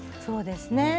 そうですね。